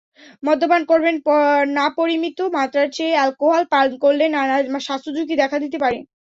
মদ্যপান করবেন নাপরিমিত মাত্রার চেয়ে অ্যালকোহল পান করলে নানা স্বাস্থ্যঝুঁকি দেখা দিতে পারে।